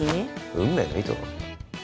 運命の糸？